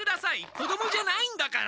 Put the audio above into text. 子どもじゃないんだから！